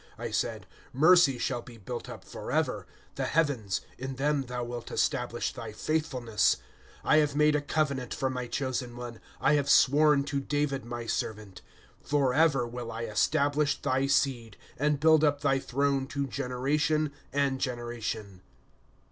* I said : Mercy shall be built up forever ; The heavens — in them thou wilt establish thy faithfulness, ' I have made a covenant for my chosen one, I have sworn to David my servant :* Forever will I establish thy seed, And build up thy throne to generation and genera tion.